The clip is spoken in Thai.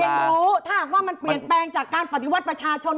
รู้ถ้าหากว่ามันเปลี่ยนแปลงจากการปฏิวัติประชาชน